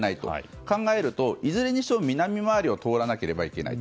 そう考えるといずれにしろ、南回りを通らなければならない。